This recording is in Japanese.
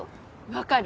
分かる。